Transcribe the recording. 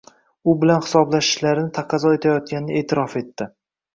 u bilan hisoblashishlarini taqozo etayotganini e’tirof etdi.